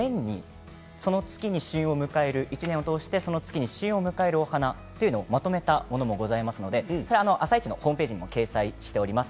その月に旬を迎える１年を通してその月に旬を迎えるお花がございますので「あさイチ」のホームページに掲載しています。